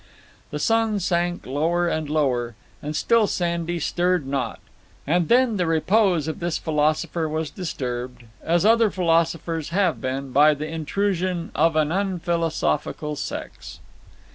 The sun sank lower and lower; and still Sandy stirred not. And then the repose of this philosopher was disturbed, as other philosophers have been, by the intrusion of an unphilosophical sex.